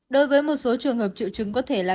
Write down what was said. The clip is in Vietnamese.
đối với một số trường hợp triệu chứng có thể là